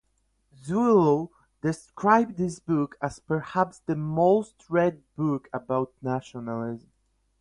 Zuelow described this book as "perhaps the most read book about nationalism".